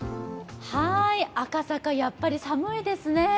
赤坂、やっぱり寒いですね。